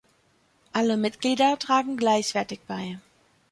Alle Mitglieder tragen gleichwertig bei.